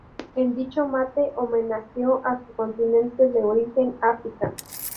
En dicho mate homenajeó a su continente de origen, África.